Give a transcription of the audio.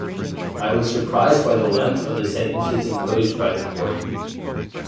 I was surprised by the length of the sentences imposed by the court.